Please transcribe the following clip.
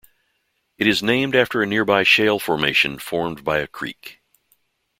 It is named after a nearby shale formation formed by a creek.